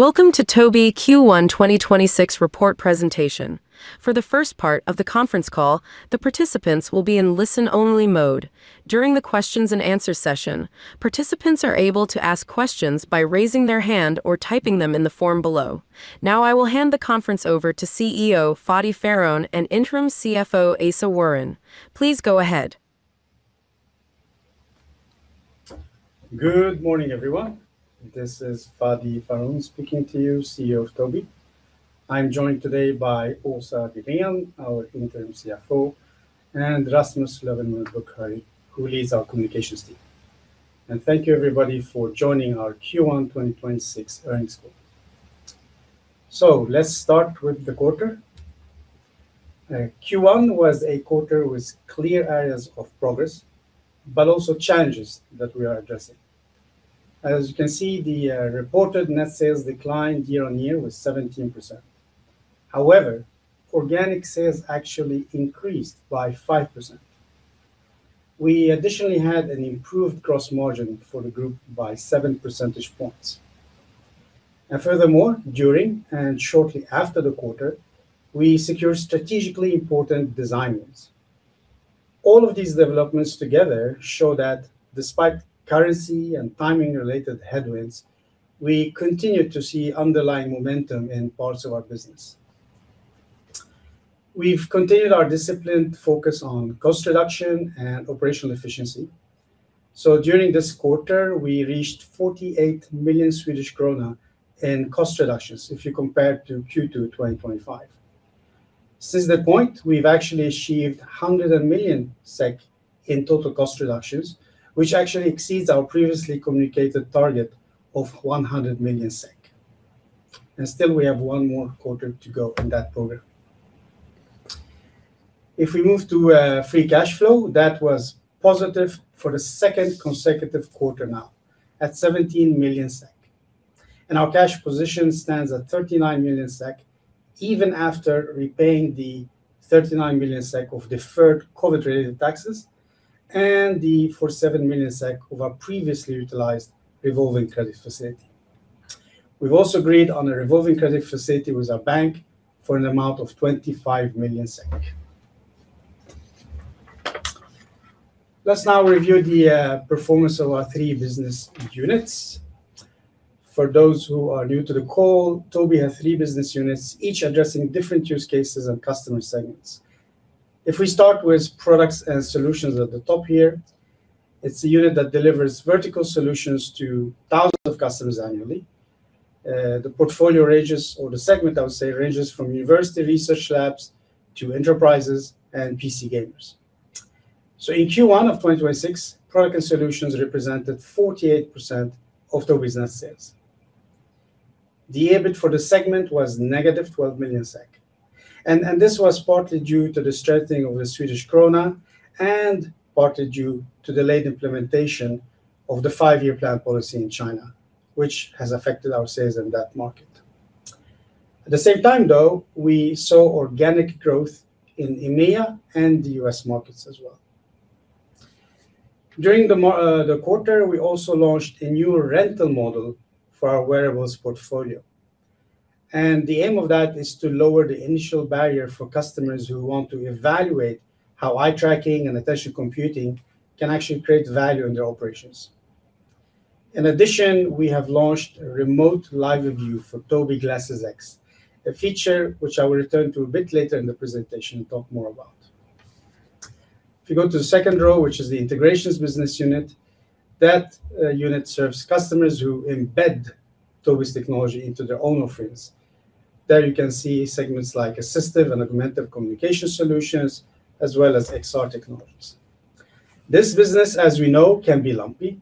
Welcome to Tobii Q1 2026 report presentation. For the first part of the conference call, the participants will be in listen-only mode. During the questions and answer session, participants are able to ask questions by raising their hand or typing them in the form below. I will hand the conference over to CEO Fadi Pharaon and Interim CFO Åsa Wirén. Please go ahead. Good morning, everyone. This is Fadi Pharaon speaking to you, CEO of Tobii. I am joined today by Åsa Wirén, our Interim CFO, and Rasmus Löwenmo Buckhöj, who leads our communications team. Thank you, everybody, for joining our Q1 2026 earnings call. Let's start with the quarter. Q1 was a quarter with clear areas of progress, but also challenges that we are addressing. As you can see, the reported net sales declined year-on-year with 17%. However, organic sales actually increased by 5%. We additionally had an improved gross margin for the group by 7 percentage points. Furthermore, during and shortly after the quarter, we secured strategically important design wins. All of these developments together show that despite currency and timing-related headwinds, we continue to see underlying momentum in parts of our business. We've continued our disciplined focus on cost reduction and operational efficiency. During this quarter, we reached 48 million Swedish krona in cost reductions if you compare to Q2 2025. Since that point, we've actually achieved 100 million SEK in total cost reductions, which actually exceeds our previously communicated target of 100 million SEK. Still we have one more quarter to go in that program. If we move to free cash flow, that was positive for the second consecutive quarter now at 17 million SEK. Our cash position stands at 39 million SEK, even after repaying the 39 million SEK of deferred COVID-related taxes and the 47 million SEK of our previously utilized revolving credit facility. We've also agreed on a revolving credit facility with our bank for an amount of 25 million SEK. Let's now review the performance of our three business units. For those who are new to the call, Tobii have three business units, each addressing different use cases and customer segments. The portfolio ranges or the segment, I would say, ranges from university research labs to enterprises and PC gamers. In Q1 of 2026, Products & Solutions represented 48% of Tobii's net sales. The EBIT for the segment was -12 million SEK. This was partly due to the strengthening of the Swedish krona and partly due to delayed implementation of the Five-Year Plan policy in China, which has affected our sales in that market. At the same time, though, we saw organic growth in EMEA and the U.S. markets as well. During the quarter, we also launched a new rental model for our wearables portfolio. The aim of that is to lower the initial barrier for customers who want to evaluate how eye tracking and attention computing can actually create value in their operations. In addition, we have launched a Remote Live View for Tobii Glasses X, a feature which I will return to a bit later in the presentation and talk more about. If you go to the second row, which is the Integrations business unit, that unit serves customers who embed Tobii's technology into their own offerings. There you can see segments like assistive and augmentative communication solutions, as well as XR technologies. This business, as we know, can be lumpy.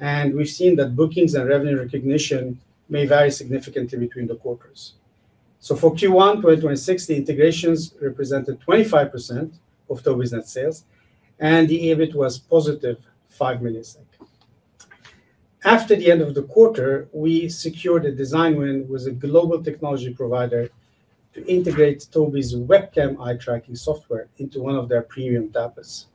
We've seen that bookings and revenue recognition may vary significantly between the quarters. For Q1 2026, the Integrations represented 25% of Tobii's net sales, and the EBIT was +5 million. After the end of the quarter, we secured a design win with a global technology provider to integrate Tobii's webcam eye tracking software into one of their premium laptops.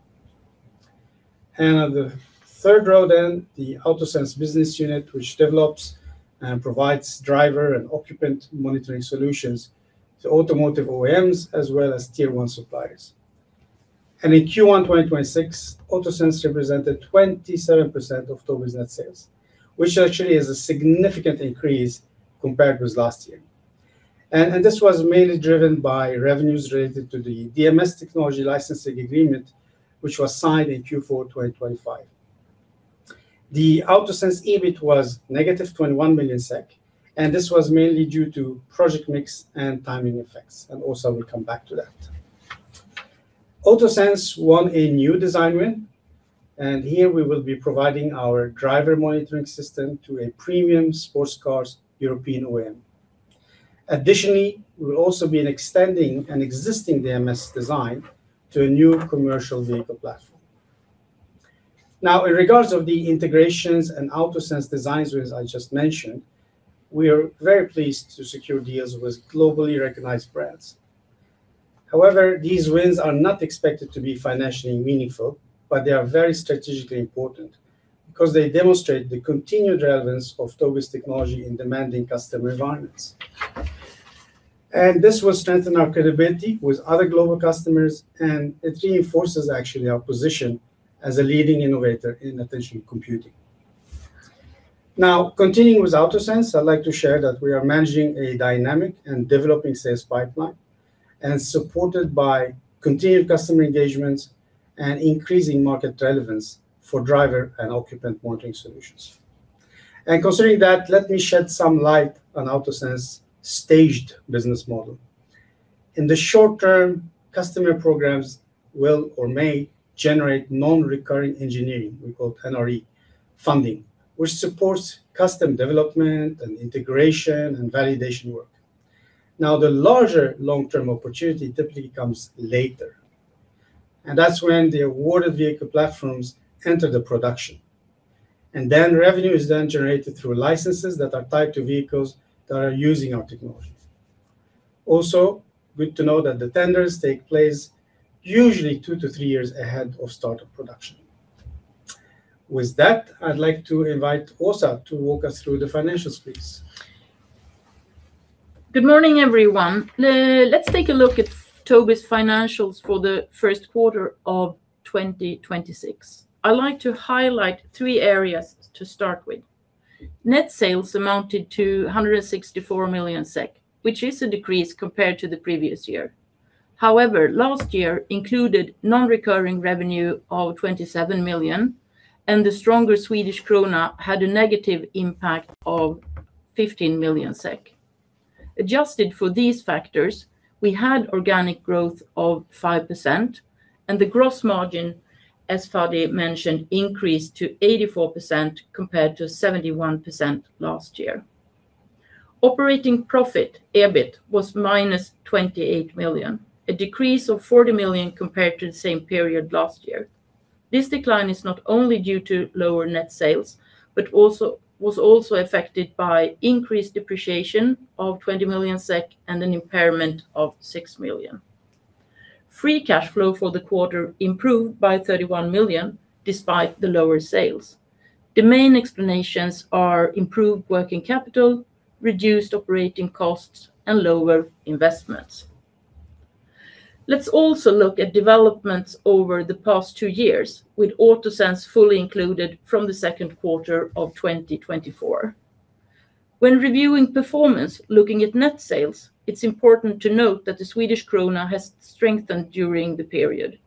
On the third row, the AutoSense business unit, which develops and provides driver and occupant monitoring solutions to automotive OEMs as well as tier one suppliers. In Q1 2026, AutoSense represented 27% of Tobii's net sales, which actually is a significant increase compared with last year. This was mainly driven by revenues related to the DMS technology licensing agreement, which was signed in Q4 2025. The AutoSense EBIT was -21 million SEK, and this was mainly due to project mix and timing effects. Also, we'll come back to that. AutoSense won a new design win, and here we will be providing our driver monitoring system to a premium sports cars European OEM. Additionally, we'll also be extending an existing DMS design to a new commercial vehicle platform. Now, in regards of the Integrations and AutoSense designs wins I just mentioned, we are very pleased to secure deals with globally recognized brands. However, these wins are not expected to be financially meaningful, but they are very strategically important because they demonstrate the continued relevance of Tobii's technology in demanding customer environments. This will strengthen our credibility with other global customers, and it reinforces actually our position as a leading innovator in attention computing. Now, continuing with AutoSense, I'd like to share that we are managing a dynamic and developing sales pipeline, and supported by continued customer engagements and increasing market relevance for driver and occupant monitoring solutions. Considering that, let me shed some light on AutoSense staged business model. In the short term, customer programs will or may generate non-recurring engineering, we call NRE funding, which supports custom development and integration and validation work. The larger long-term opportunity typically comes later, that's when the awarded vehicle platforms enter the production. Revenue is then generated through licenses that are tied to vehicles that are using our technology. Good to know that the tenders take place usually two to three years ahead of start of production. With that, I'd like to invite Åsa to walk us through the financials, please. Good morning, everyone. Let's take a look at Tobii's financials for the first quarter of 2026. I'd like to highlight three areas to start with. Net sales amounted to 164 million SEK, which is a decrease compared to the previous year. However, last year included non-recurring revenue of 27 million. The stronger Swedish krona had a negative impact of 15 million SEK. Adjusted for these factors, we had organic growth of 5%. The gross margin, as Fadi mentioned, increased to 84% compared to 71% last year. Operating profit, EBIT, was -28 million, a decrease of 40 million compared to the same period last year. This decline is not only due to lower net sales, but was also affected by increased depreciation of 20 million SEK and an impairment of 6 million. Free cash flow for the quarter improved by 31 million despite the lower sales. The main explanations are improved working capital, reduced operating costs, and lower investments. Let's also look at developments over the past two years with AutoSense fully included from the second quarter of 2024. When reviewing performance, looking at net sales, it's important to note that the Swedish krona has strengthened during the period.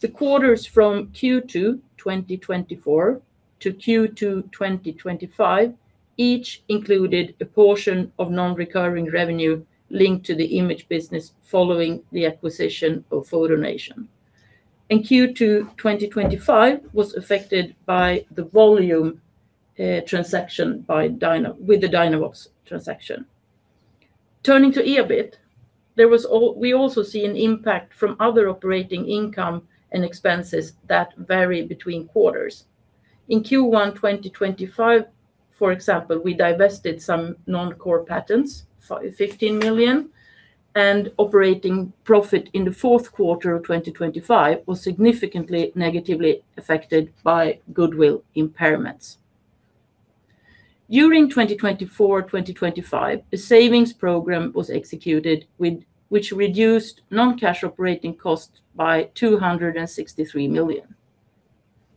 The quarters from Q2 2024 to Q2 2025 each included a portion of non-recurring revenue linked to the image business following the acquisition of FotoNation. Q2 2025 was affected by the volume transaction with the Dynavox transaction. Turning to EBIT, we also see an impact from other operating income and expenses that vary between quarters. In Q1 2025, for example, we divested some non-core patents, 15 million, and operating profit in the fourth quarter of 2025 was significantly negatively affected by goodwill impairments. During 2024, 2025, a savings program was executed which reduced non-cash operating costs by 263 million.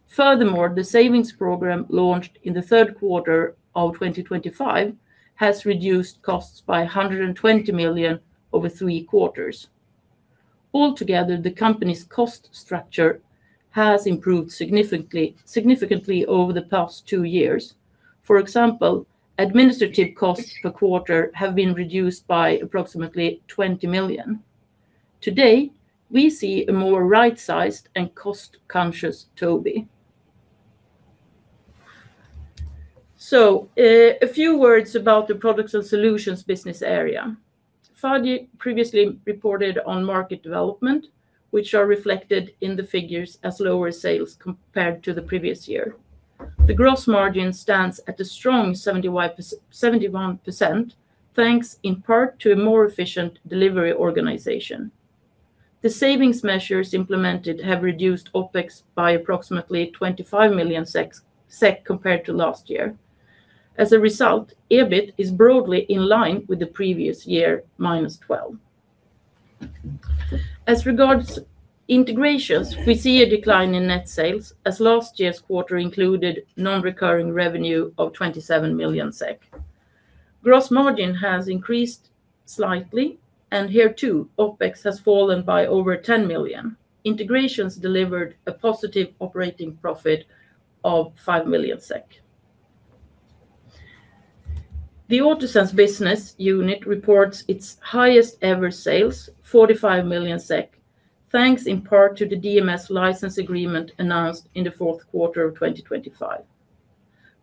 Furthermore, the savings program launched in the third quarter of 2025 has reduced costs by 120 million over three quarters. Altogether, the company's cost structure has improved significantly over the past two years. For example, administrative costs per quarter have been reduced by approximately 20 million. Today, we see a more right-sized and cost-conscious Tobii. A few words about the Products & Solutions business area. Fadi previously reported on market development, which are reflected in the figures as lower sales compared to the previous year. The gross margin stands at a strong 71%, thanks in part to a more efficient delivery organization. The savings measures implemented have reduced OpEx by approximately 25 million SEK compared to last year. As a result, EBIT is broadly in line with the previous year, -12 million. As regards Integrations, we see a decline in net sales as last year's quarter included non-recurring revenue of 27 million SEK. Gross margin has increased slightly, and here too, OpEx has fallen by over 10 million. Integrations delivered a positive operating profit of 5 million SEK. The AutoSense business unit reports its highest ever sales, 45 million SEK, thanks in part to the DMS license agreement announced in the Q4 of 2025.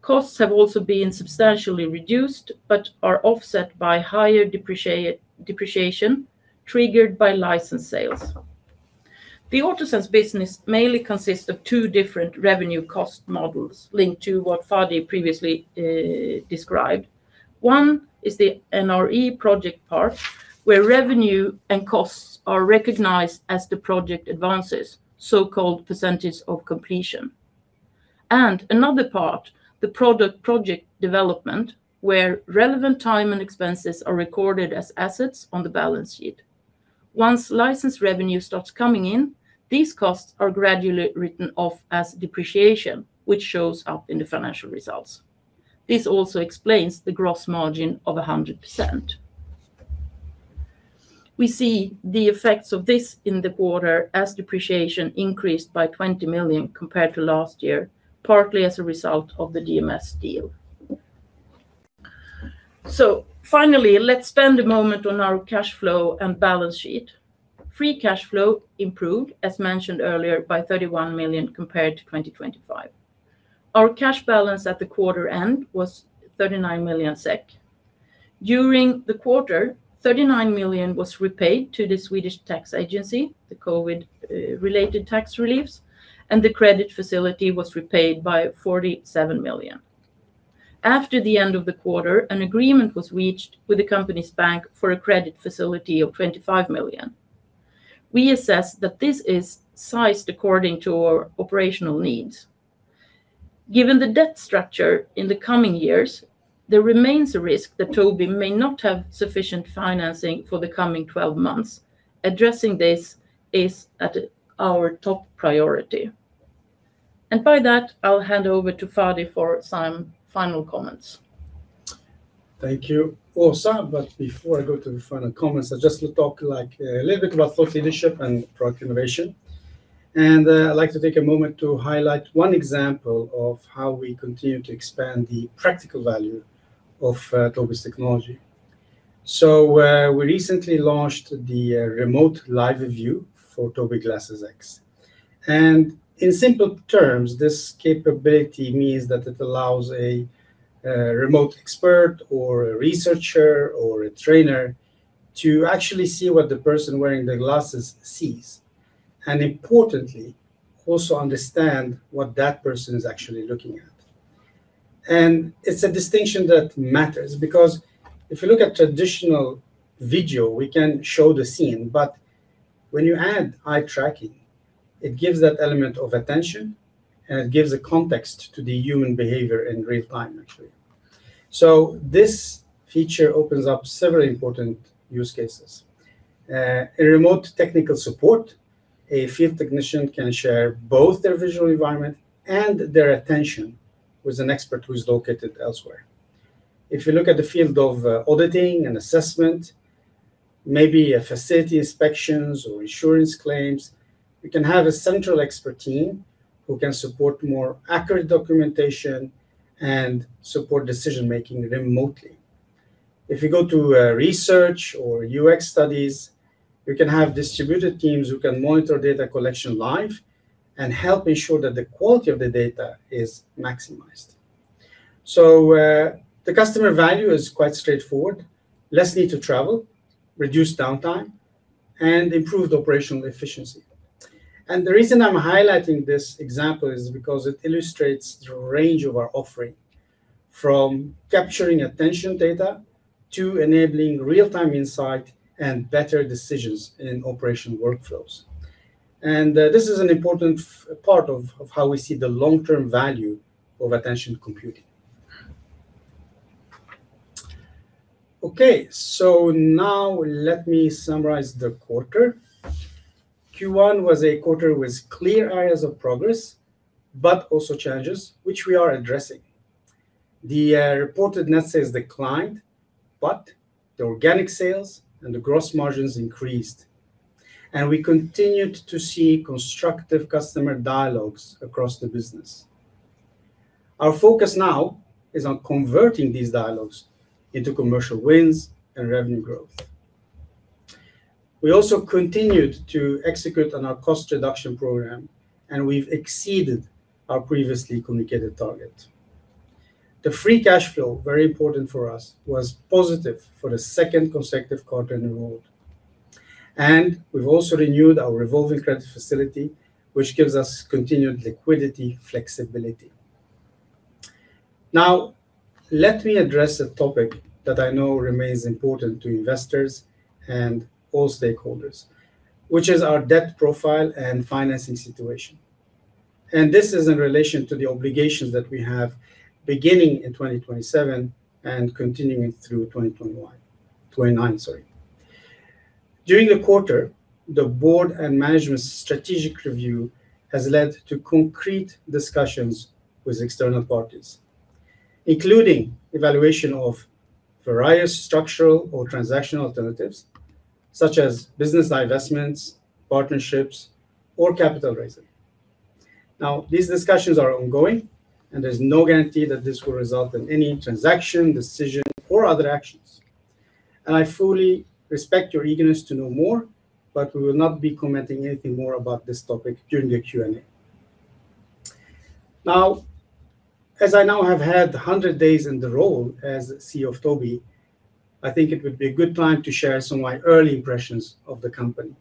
Costs have also been substantially reduced but are offset by higher depreciation triggered by license sales. The AutoSense business mainly consists of two different revenue cost models linked to what Fadi previously described. One is the NRE project part, where revenue and costs are recognized as the project advances, so-called percentage of completion. Another part, the product project development, where relevant time and expenses are recorded as assets on the balance sheet. Once license revenue starts coming in, these costs are gradually written off as depreciation, which shows up in the financial results. This also explains the gross margin of 100%. We see the effects of this in the quarter as depreciation increased by 20 million compared to last year, partly as a result of the DMS deal. Finally, let's spend a moment on our cash flow and balance sheet. Free cash flow improved, as mentioned earlier, by 31 million compared to 2025. Our cash balance at the quarter end was 39 million SEK. During the quarter, 39 million was repaid to the Swedish Tax Agency, the COVID related tax reliefs, and the credit facility was repaid by 47 million. After the end of the quarter, an agreement was reached with the company's bank for a credit facility of 25 million. We assess that this is sized according to our operational needs. Given the debt structure in the coming years, there remains a risk that Tobii may not have sufficient financing for the coming 12 months. Addressing this is at our top priority. By that, I'll hand over to Fadi for some final comments. Thank you, Åsa. Before I go to the final comments, I'll just talk like a little bit about thought leadership and product innovation. I'd like to take a moment to highlight one example of how we continue to expand the practical value of Tobii's technology. We recently launched the Remote Live View for Tobii Glasses X. In simple terms, this capability means that it allows a remote expert or a researcher or a trainer to actually see what the person wearing the glasses sees, and importantly, also understand what that person is actually looking at. It's a distinction that matters because if you look at traditional video, we can show the scene, but when you add eye tracking, it gives that element of attention, and it gives a context to the human behavior in real time, actually. This feature opens up several important use cases. In remote technical support, a field technician can share both their visual environment and their attention with an expert who's located elsewhere. If you look at the field of auditing and assessment, maybe a facility inspections or insurance claims, we can have a central expert team who can support more accurate documentation and support decision-making remotely. If you go to research or UX studies, we can have distributed teams who can monitor data collection live and help ensure that the quality of the data is maximized. The customer value is quite straightforward. Less need to travel, reduced downtime, and improved operational efficiency. The reason I'm highlighting this example is because it illustrates the range of our offering, from capturing attention data to enabling real-time insight and better decisions in operational workflows. This is an important part of how we see the long-term value of attention computing. Let me summarize the quarter. Q1 was a quarter with clear areas of progress, but also challenges, which we are addressing. The reported net sales declined, but the organic sales and the gross margins increased, and we continued to see constructive customer dialogues across the business. Our focus now is on converting these dialogues into commercial wins and revenue growth. We also continued to execute on our cost reduction program, and we've exceeded our previously communicated target. The free cash flow, very important for us, was positive for the second consecutive quarter in a row. We've also renewed our revolving credit facility, which gives us continued liquidity flexibility. Let me address a topic that I know remains important to investors and all stakeholders, which is our debt profile and financing situation. This is in relation to the obligations that we have beginning in 2027 and continuing through 2029. During the quarter, the board and management strategic review has led to concrete discussions with external parties, including evaluation of various structural or transactional alternatives, such as business divestments, partnerships, or capital raising. These discussions are ongoing, and there's no guarantee that this will result in any transaction, decision, or other actions. I fully respect your eagerness to know more, but we will not be commenting anything more about this topic during the Q&A. Now, as I now have had 100 days in the role as CEO of Tobii, I think it would be a good time to share some of my early impressions of the company.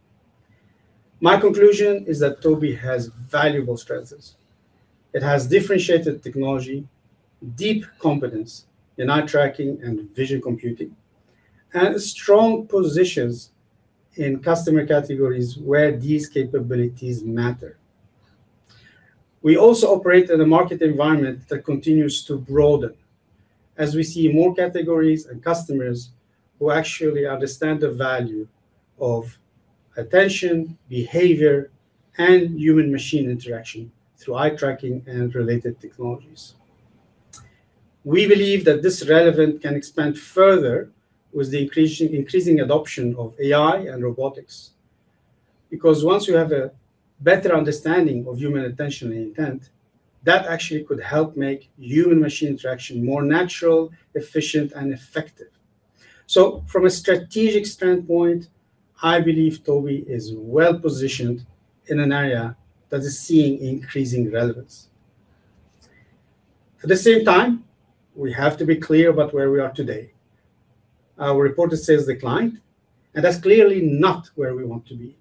My conclusion is that Tobii has valuable strengths. It has differentiated technology, deep competence in eye tracking and visual computing, and strong positions in customer categories where these capabilities matter. We also operate in a market environment that continues to broaden as we see more categories and customers who actually understand the value of attention, behavior, and human machine interaction through eye tracking and related technologies. We believe that this relevant can expand further with the increasing adoption of AI and robotics. Once you have a better understanding of human attention and intent, that actually could help make human machine interaction more natural, efficient, and effective. From a strategic standpoint, I believe Tobii is well-positioned in an area that is seeing increasing relevance. At the same time, we have to be clear about where we are today. Our reported sales declined, and that's clearly not where we want to be.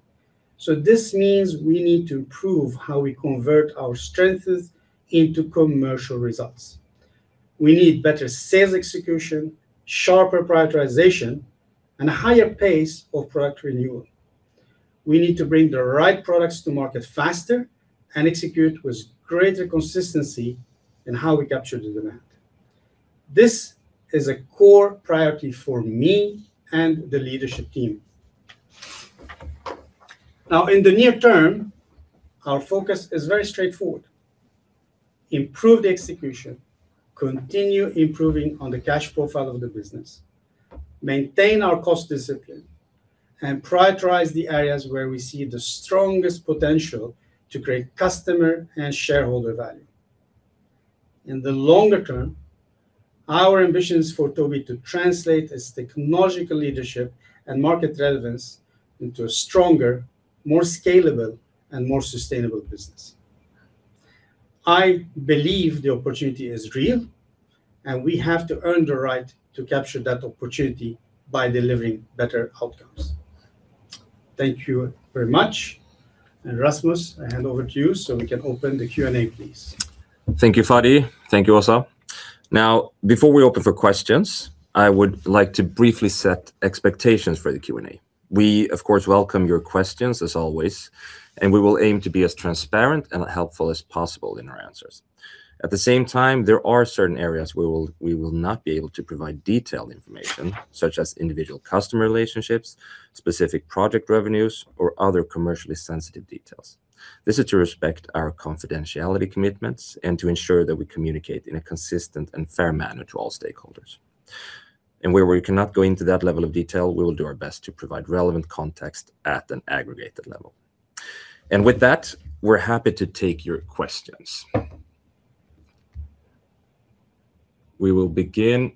This means we need to improve how we convert our strengths into commercial results. We need better sales execution, sharper prioritization, and a higher pace of product renewal. We need to bring the right products to market faster and execute with greater consistency in how we capture the demand. This is a core priority for me and the leadership team. In the near term, our focus is very straightforward. Improve the execution, continue improving on the cash profile of the business, maintain our cost discipline, and prioritize the areas where we see the strongest potential to create customer and shareholder value. In the longer term, our ambition is for Tobii to translate its technological leadership and market relevance into a stronger, more scalable, and more sustainable business. I believe the opportunity is real, and we have to earn the right to capture that opportunity by delivering better outcomes. Thank you very much. Rasmus, I hand over to you so we can open the Q&A, please. Thank you, Fadi. Thank you, Åsa. Before we open for questions, I would like to briefly set expectations for the Q&A. We, of course, welcome your questions as always, and we will aim to be as transparent and helpful as possible in our answers. At the same time, there are certain areas we will not be able to provide detailed information, such as individual customer relationships, specific project revenues, or other commercially sensitive details. This is to respect our confidentiality commitments and to ensure that we communicate in a consistent and fair manner to all stakeholders. Where we cannot go into that level of detail, we will do our best to provide relevant context at an aggregated level. With that, we're happy to take your questions. We will begin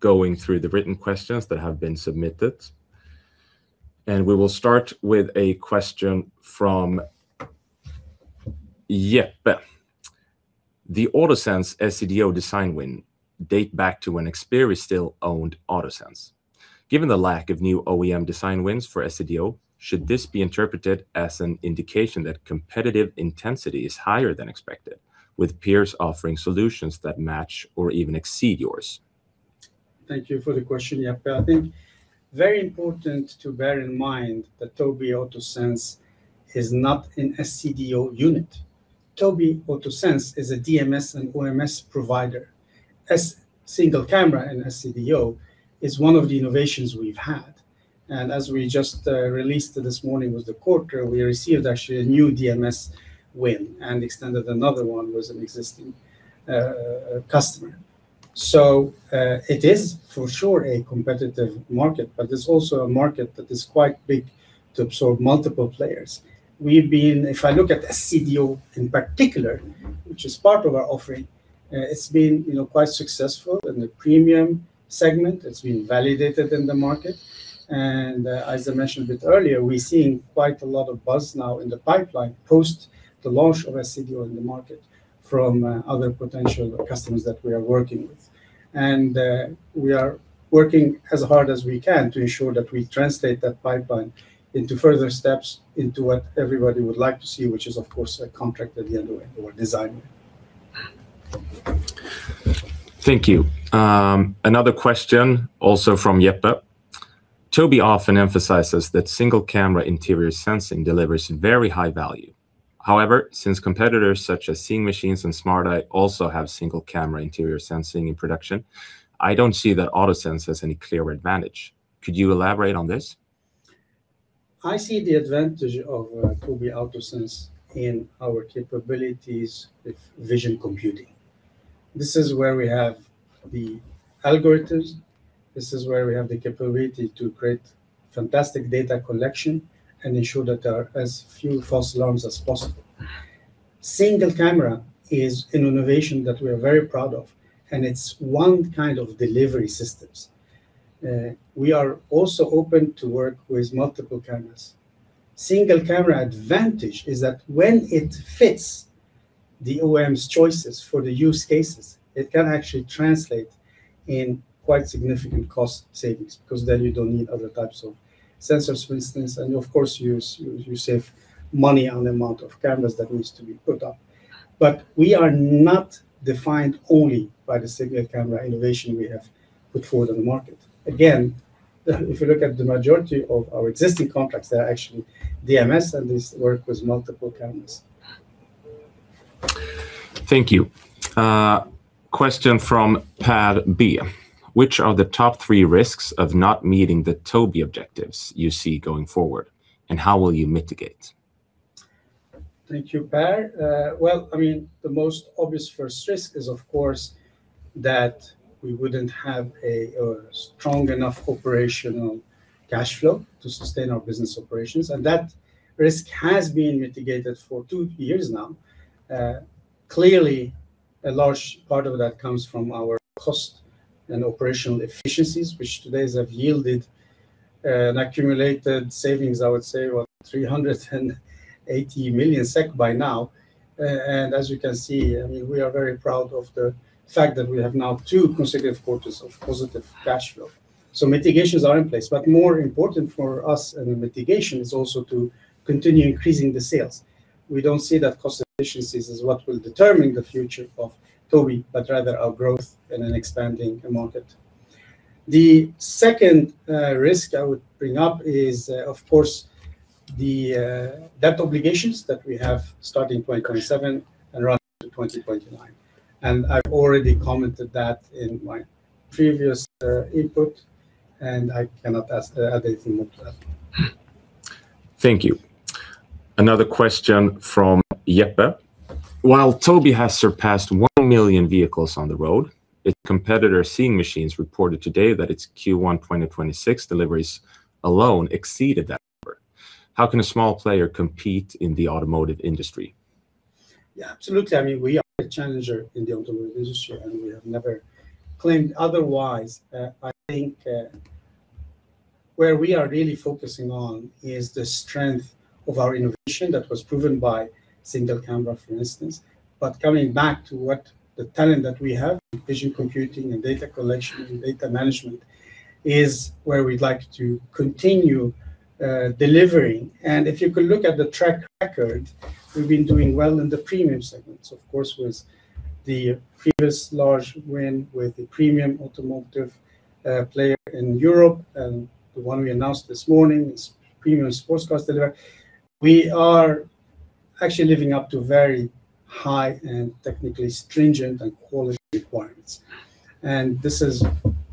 going through the written questions that have been submitted, and we will start with a question from [Jeppe]: The AutoSense SCDO design win date back to when Xperi still owned AutoSense. Given the lack of new OEM design wins for SCDO, should this be interpreted as an indication that competitive intensity is higher than expected, with peers offering solutions that match or even exceed yours? Thank you for the question, [Jeppe]. I think very important to bear in mind that Tobii AutoSense is not an SCDO unit. Tobii AutoSense is a DMS and OMS provider. Single camera and SCDO is one of the innovations we've had. As we just released this morning with the quarter, we received actually a new DMS win and extended another one with an existing customer. It is for sure a competitive market, but it's also a market that is quite big to absorb multiple players. If I look at SCDO in particular, which is part of our offering, it's been, you know, quite successful in the premium segment. It's been validated in the market. As I mentioned a bit earlier, we're seeing quite a lot of buzz now in the pipeline post the launch of SCDO in the market from other potential customers that we are working with. We are working as hard as we can to ensure that we translate that pipeline into further steps into what everybody would like to see, which is of course a contracted end or design win. Thank you. Another question also from [Jeppe]: Tobii often emphasizes that single-camera interior sensing delivers very high value. Since competitors such as Seeing Machines and Smart Eye also have single-camera interior sensing in production, I don't see that AutoSense has any clear advantage. Could you elaborate on this? I see the advantage of Tobii AutoSense in our capabilities with visual computing. This is where we have the algorithms. This is where we have the capability to create fantastic data collection and ensure that there are as few false alarms as possible. Single camera is an innovation that we are very proud of, and it's one kind of delivery systems. We are also open to work with multiple cameras. Single camera advantage is that when it fits the OEM's choices for the use cases, it can actually translate in quite significant cost savings, because then you don't need other types of sensors, for instance. Of course you save money on the amount of cameras that needs to be put up. We are not defined only by the single camera innovation we have put forward on the market. Again, if you look at the majority of our existing contracts, they are actually DMS and these work with multiple cameras. Thank you. Question from [Pehr B.]: Which are the top three risks of not meeting the Tobii objectives you see going forward, and how will you mitigate? Thank you, [Pehr]. Well, I mean, the most obvious first risk is, of course, that we wouldn't have a strong enough operational cashflow to sustain our business operations, and that risk has been mitigated for two years now. Clearly a large part of that comes from our cost and operational efficiencies, which to date have yielded an accumulated savings, I would say, about 380 million SEK by now. As you can see, I mean, we are very proud of the fact that we have now two consecutive quarters of positive cashflow. Mitigations are in place. More important for us in the mitigation is also to continue increasing the sales. We don't see that cost efficiencies is what will determine the future of Tobii, but rather our growth in an expanding market. The second risk I would bring up is, of course, the debt obligations that we have starting 2027 and run to 2029. I've already commented that in my previous input. I cannot add anything up to that. Thank you. Another question from [Jeppe]: While Tobii has surpassed 1 million vehicles on the road, its competitor Seeing Machines reported today that its Q1 2026 deliveries alone exceeded that number. How can a small player compete in the automotive industry? Yeah, absolutely. I mean, we are a challenger in the automotive industry, we have never claimed otherwise. I think, where we are really focusing on is the strength of our innovation that was proven by single camera, for instance. Coming back to what the talent that we have in visual computing and data collection and data management is where we'd like to continue delivering. If you could look at the track record, we've been doing well in the premium segments. Of course, with the previous large win with the premium automotive player in Europe, the one we announced this morning, it's premium sports car deliver. We are actually living up to very high and technically stringent and quality requirements. This is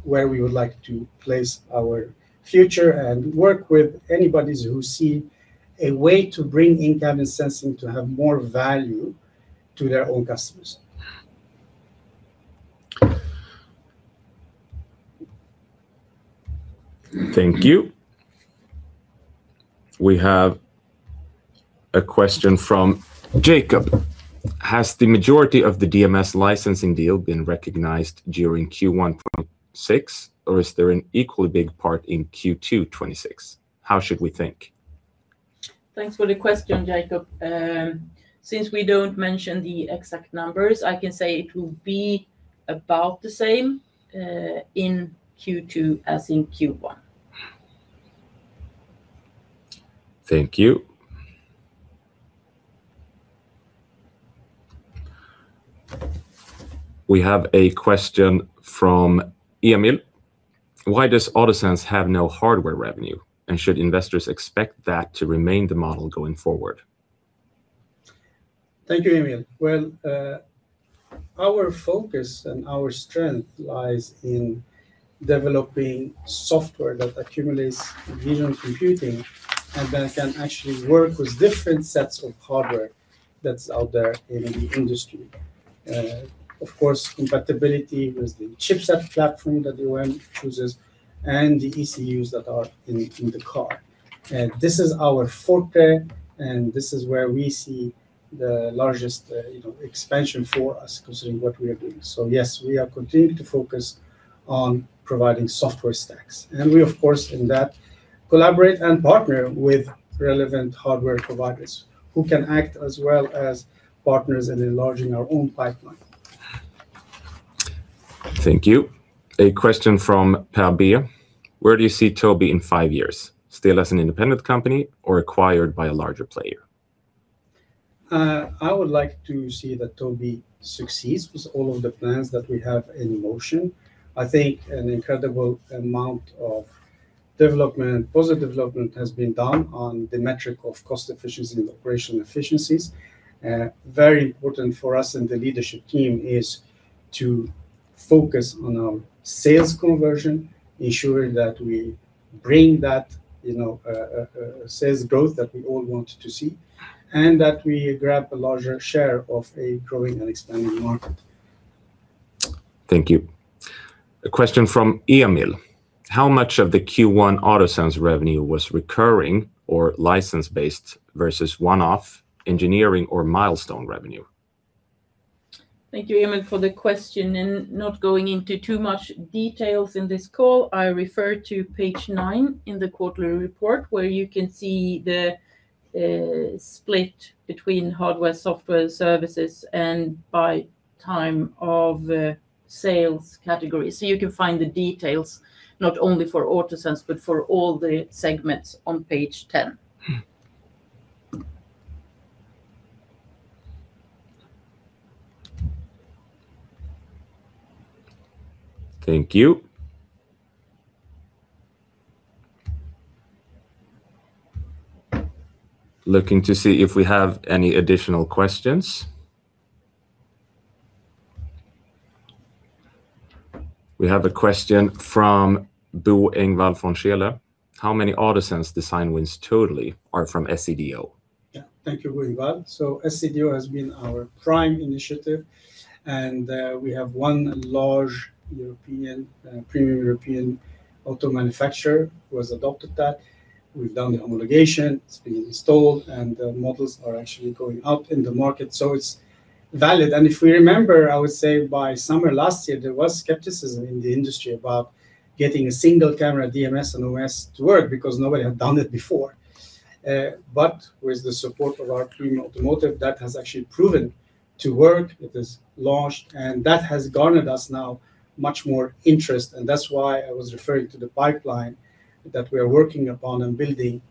where we would like to place our future and work with anybodies who see a way to bring in-cabin sensing to have more value to their own customers. Thank you. We have a question from [Jakob]: Has the majority of the DMS licensing deal been recognized during Q1 2026? Or is there an equally big part in Q2 2026? How should we think? Thanks for the question, [Jakob]. Since we don't mention the exact numbers, I can say it will be about the same in Q2 as in Q1. Thank you. We have a question from [Emil]: Why does AutoSense have no hardware revenue, and should investors expect that to remain the model going forward? Thank you, [Emil]. Our focus and our strength lies in developing software that accumulates visual computing and that can actually work with different sets of hardware that's out there in the industry. Of course, compatibility with the chipset platform that the OEM chooses and the ECUs that are in the car. This is our forte, and this is where we see the largest, you know, expansion for us considering what we are doing. Yes, we are continuing to focus on providing software stacks, and we of course in that collaborate and partner with relevant hardware providers who can act as well as partners in enlarging our own pipeline. Thank you. A question from [Pehr B.]: Where do you see Tobii in five years? Still as an independent company or acquired by a larger player? I would like to see that Tobii succeeds with all of the plans that we have in motion. I think an incredible amount of development, positive development, has been done on the metric of cost efficiency and operational efficiencies. Very important for us in the leadership team is to focus on our sales conversion, ensuring that we bring that, you know, sales growth that we all want to see, and that we grab a larger share of a growing and expanding market. Thank you. A question from [Emil]: How much of the Q1 AutoSense revenue was recurring or license-based versus one-off engineering or milestone revenue? Thank you, [Emil], for the question. Not going into too much details in this call, I refer to page nine in the quarterly report where you can see the split between hardware, software, services, and by time of sales category. You can find the details not only for AutoSense, but for all the segments on page 10. Thank you. Looking to see if we have any additional questions. We have a question from [Bo Engwall von Schéele]: How many AutoSense design wins totally are from SCDO? Thank you, [Bo Engvall]. SCDO has been our prime initiative, and we have one large European premium European auto manufacturer who has adopted that. We've done the homologation, it's been installed, and the models are actually going up in the market, so it's valid. If we remember, I would say by summer last year, there was skepticism in the industry about getting a single camera DMS and OMS to work because nobody had done it before. With the support of our premium automotive, that has actually proven to work. It is launched, and that has garnered us now much more interest, and that's why I was referring to the pipeline that we are working upon and building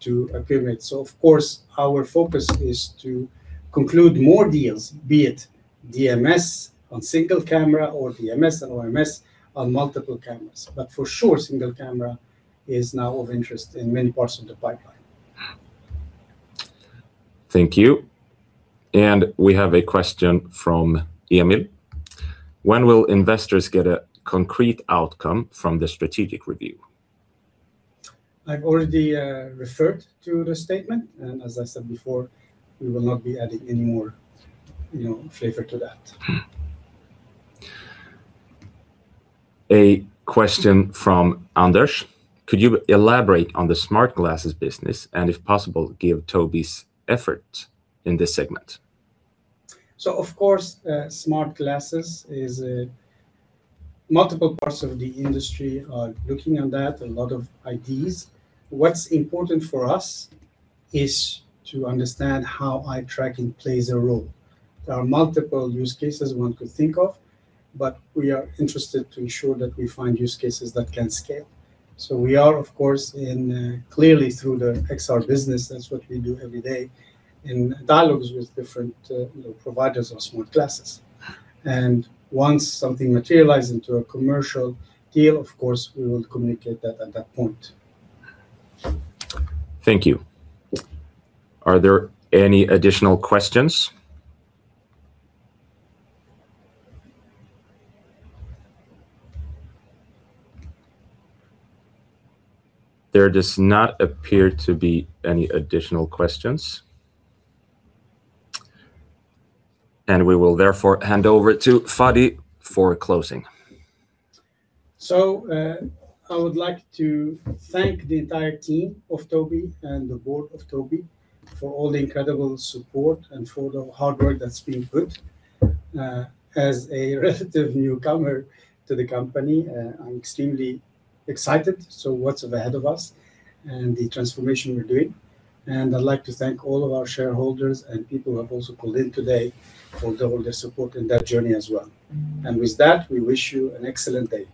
to a pyramid. Of course, our focus is to conclude more deals, be it DMS on single camera or DMS and OMS on multiple cameras. For sure, single camera is now of interest in many parts of the pipeline. Thank you. We have a question from Emil: When will investors get a concrete outcome from the strategic review? I've already referred to the statement, and as I said before, we will not be adding any more, you know, flavor to that. A question from [Anders]: Could you elaborate on the smart glasses business, and if possible, give Tobii's effort in this segment? Of course, smart glasses is a multiple parts of the industry are looking at that, a lot of ideas. What's important for us is to understand how eye tracking plays a role. There are multiple use cases one could think of, but we are interested to ensure that we find use cases that can scale. We are of course in, clearly through the XR business, that's what we do every day, in dialogues with different, you know, providers of smart glasses. Once something materialize into a commercial deal, of course, we will communicate that at that point. Thank you. Are there any additional questions? There does not appear to be any additional questions. We will therefore hand over to Fadi for closing. I would like to thank the entire team of Tobii and the board of Tobii for all the incredible support and for the hard work that's been put. As a relative newcomer to the company, I'm extremely excited. Lots ahead of us and the transformation we're doing. I'd like to thank all of our shareholders and people who have also called in today for all their support in that journey as well. With that, we wish you an excellent day.